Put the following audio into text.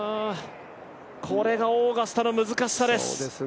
これがオーガスタの難しさです。